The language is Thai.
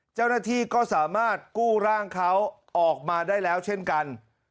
เจ้าหน้าที่ก็สามารถกู้ร่างเขาออกมาได้แล้วเช่นกัน